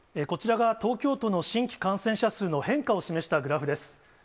こちらが、東京都の新規感染者数の変化を示したグラフです。